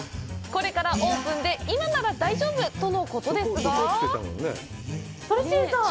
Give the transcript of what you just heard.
これからオープンで今なら大丈夫とのことですが鳥心さん。